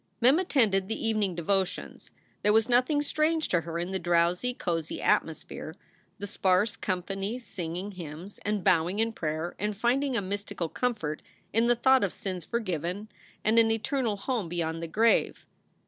Mem attended the evening devotions. There was nothing strange to her in the drowsy, cozy atmosphere, the sparse company singing hymns and bowing in prayer and finding a mystical comfort in the thought of sins forgiven and an eternal home beyond the grave.